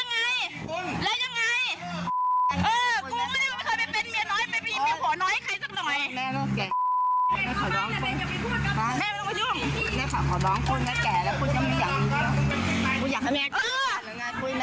สรุปแล้วกูต้องเผิกมาตรงกลางนี้ให้มันเลยใช่ไหม